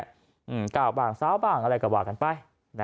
งั้นเก้าบ้านคือซาวบ้านอะไรก็ว่ากันไป